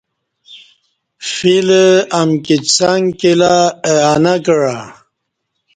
گیل امکی څݣ کیلہ اہ انہ کعہ